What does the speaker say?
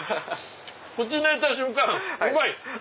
口に入れた瞬間うまい！